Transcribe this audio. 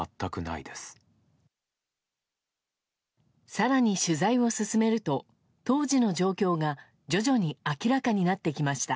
更に取材を進めると当時の状況が徐々に明らかになってきました。